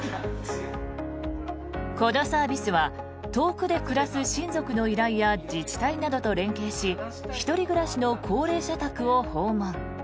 このサービスは遠くで暮らす親族の依頼や自治体などと連携し１人暮らしの高齢者宅を訪問。